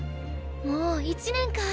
もう１年か。